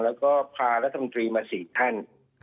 แล้วก็พารัฐมนตรีมา๔ท่าน